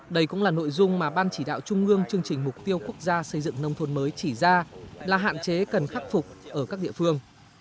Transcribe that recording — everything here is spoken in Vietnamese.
đây cũng là nội dung mà ban chỉ đạo trung ương chương trình mục tiêu quốc gia xây dựng nông thôn mới chỉ ra là hạn chế cần khắc phục ở các địa phương